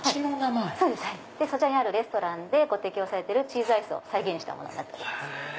そちらにあるレストランでご提供されてるチーズアイスを再現したものになってます。